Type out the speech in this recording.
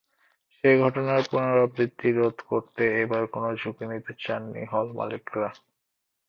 সেই ঘটনার পুনরাবৃত্তি রোধ করতেই এবার কোনো ঝুঁকি নিতে চাননি হল-মালিকরা।